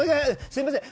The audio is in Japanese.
すみません！